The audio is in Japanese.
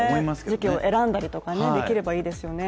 時期を選んだりとかできればいいですよね。